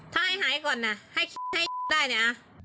ถ้าให้หายก่อนให้ให้ได้เนี่ย